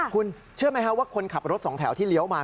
คุณเชื่อไหมครับว่าคนขับรถสองแถวที่เลี้ยวมา